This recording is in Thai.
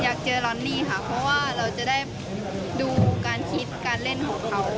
อยากเจอลอนนี่ค่ะเพราะว่าเราจะได้ดูการคิดการเล่นของเขา